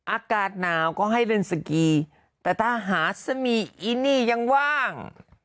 อากาศหนาวก็ให้เล่นสกีแต่ถ้าหาสมีอีนี่ยังว่าง